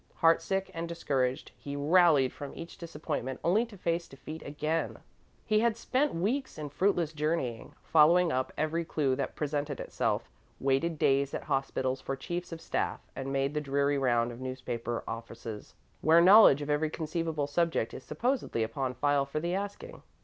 Heartsick and discouraged, he rallied from each disappointment, only to face defeat again. He had spent weeks in fruitless journeying, following up every clue that presented itself, waited days at hospitals for chiefs of staff, and made the dreary round of newspaper offices, where knowledge of every conceivable subject is supposedly upon file for the asking.